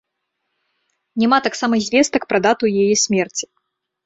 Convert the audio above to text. Няма таксама звестак пра дату яе смерці.